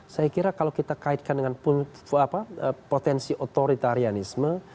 saya kira kalau kita kaitkan dengan potensi otoritarianisme